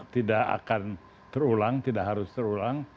tidak akan terulang tidak harus terulang